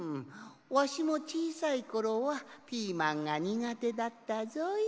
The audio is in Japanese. わしもちいさいころはピーマンがにがてだったぞい。